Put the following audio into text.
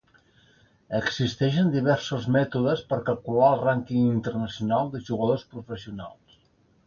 Existeixen diversos mètodes per calcular el rànquing internacional de jugadors professionals.